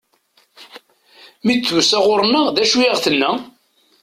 Mi d-tusa ɣur-neɣ, d acu i aɣ-tenna?